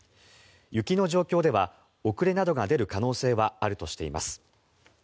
雪の状況では遅れなどが出る可能性があるとしています。